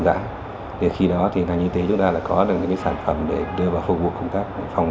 rãi khi đó thì ngành y tế chúng ta là có được những sản phẩm để đưa vào phục vụ công tác phòng